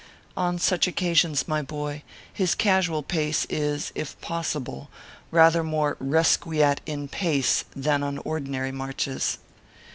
On such occasions, my boy, his casual pace is, if pos sible, rather more rcquiescat in "pace" than on ordi nary marches.